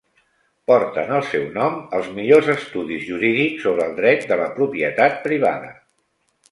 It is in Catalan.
Porten el seu nom els millors estudis jurídics sobre el dret de la propietat privada.